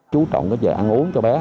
chú trọng cái giờ ăn uống cho bé